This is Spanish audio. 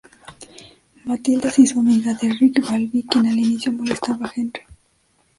Matilda se hizo amiga de Ric Dalby, quien al inicio molestaba a Henry.